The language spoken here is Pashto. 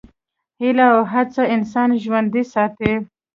هیله او هڅه انسان ژوندی ساتي.